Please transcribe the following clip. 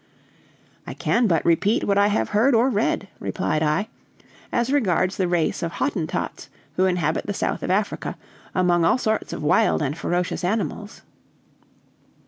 "I can but repeat what I have heard or read," replied I, as regards the race of Hottentots who inhabit the south of Africa, among all sorts of wild and ferocious animals.